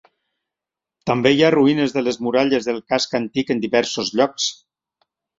També hi ha ruïnes de les muralles del casc antic en diversos llocs.